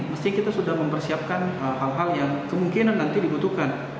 mesti kita sudah mempersiapkan hal hal yang kemungkinan nanti dibutuhkan